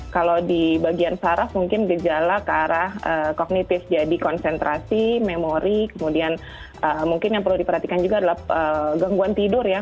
kalau di bagian saraf mungkin gejala ke arah kognitif jadi konsentrasi memori kemudian mungkin yang perlu diperhatikan juga adalah gangguan tidur ya